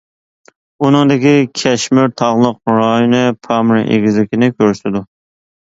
بۇنىڭدىكى كەشمىر تاغلىق رايونى پامىر ئېگىزلىكىنى كۆرسىتىدۇ.